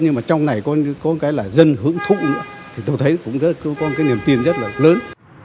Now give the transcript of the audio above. nhưng mà trong này có một cái là dân hưởng thụ nữa thì tôi thấy cũng có một cái niềm tin rất là lớn